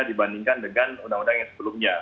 dibandingkan dengan undang undang yang sebelumnya